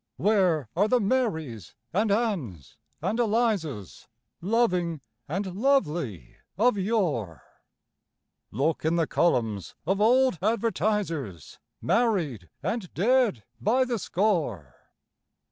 Where are the Marys, and Anns, and Elizas, Loving and lovely of yore? Look in the columns of old Advertisers, Married and dead by the score.